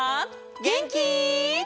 げんき？